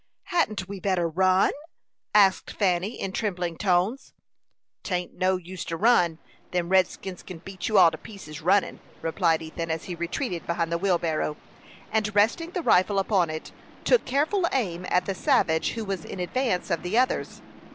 "Hadn't we better run?" asked Fanny, in trembling tones. "'Tain't no use to run; them redskins kin beat you all to pieces runnin'," replied Ethan, as he retreated behind the wheelbarrow, and resting the rifle upon it, took careful aim at the savage who was in advance of the others.